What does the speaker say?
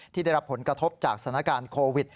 ที่ได้รับผลกระทบจากสถานการณ์โควิด